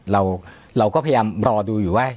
เราก็พยายามรอดูอยู่ว่า